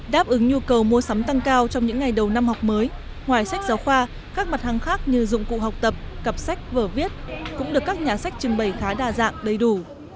đáp ứng nhu cầu mua sắm tăng cao trong những ngày đầu năm học mới ngoài sách giáo khoa các mặt hàng khác như dụng cụ học tập cặp sách vở viết cũng được các nhà sách trưng bày khá đa dạng đầy đủ